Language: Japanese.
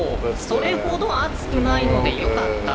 それほど暑くないので良かった。